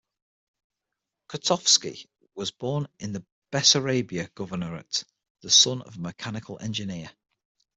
Kotovsky was born in the Bessarabia Governorate, the son of a mechanical engineer.